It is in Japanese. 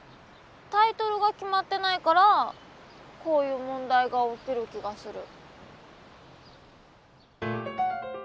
タイトルが決まってないからこういう問題が起きる気がする。